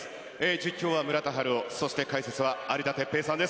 実況は村田晴郎、そして、解説は有田哲平さんです。